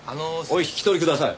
お引き取りください。